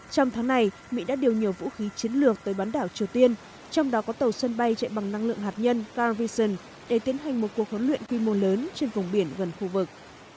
trong tháng này mỹ đã điều nhiều vũ khí chiến lược tới bán đảo triều tiên trong đó có tàu sân bay chạy bằng năng lượng hạt nhân farvision để tiến hành một cuộc huấn luyện quy mô lớn trên vùng biển gần khu vực